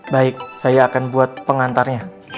baik saya akan buat pengantarnya